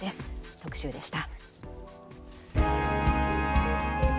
特集でした。